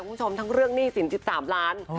คุณผู้ชมทั้งเรื่องหนี้สิน๑๓ล้าน